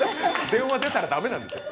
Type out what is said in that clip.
電話出たら駄目なんですよ。